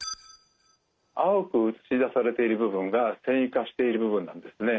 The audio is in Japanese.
青く映し出されている部分が線維化している部分なんですね。